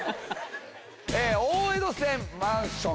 大江戸線マンション